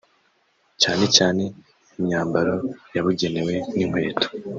cyane cyane imyambaro yabugenewe n’inkweto